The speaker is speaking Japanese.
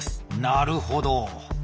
なるほど。